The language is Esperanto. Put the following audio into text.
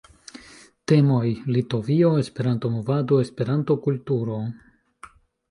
Temoj: Litovio, Esperanto-movado, Esperanto-kulturo.